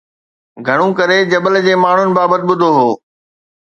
گهڻو ڪري جبل جي ماڻهن بابت ٻڌو هو